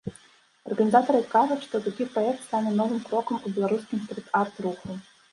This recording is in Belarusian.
Арганізатары кажуць, што такі праект стане новым крокам у беларускім стрыт-арт руху.